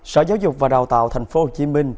sở giáo dục và đào tạo tp hcm